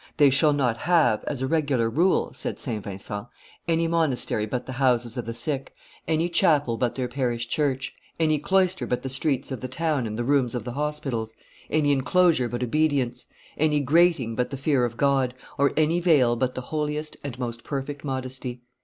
"They shall not have, as a regular rule," said St. Vincent, "any monastery but the houses of the sick, any chapel but their parish church, any cloister but the streets of the town and the rooms of the hospitals, any enclosure but obedience, any grating but the fear of God, or any veil but the holiest and most perfect modesty."